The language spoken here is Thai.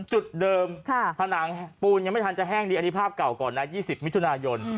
จุดเดิมผนังปูนยังไม่ทันจะแห้งดีอันนี้ภาพเก่าก่อนนะ๒๐มิถุนายน